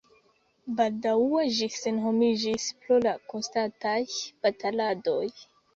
Baldaŭe ĝi senhomiĝis pro la konstantaj bataladoj.